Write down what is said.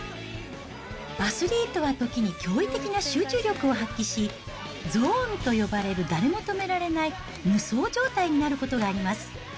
アスリートは時に驚異的な集中力を発揮し、ゾーンと呼ばれる、誰も止められない無双状態になることがあります。